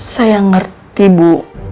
saya ngerti bu